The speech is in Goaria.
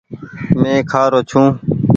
مينٚ کهارو ڇوٚنٚ